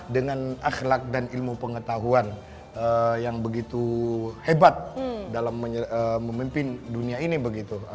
dengan akhlak dan ilmu pengetahuan yang begitu hebat dalam memimpin dunia ini begitu